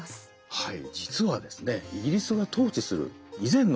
はい。